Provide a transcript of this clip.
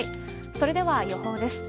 それでは予報です。